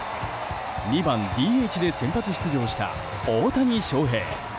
２番ＤＨで先発出場した大谷翔平。